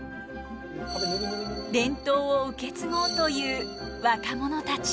伝統を受け継ごうという若者たち。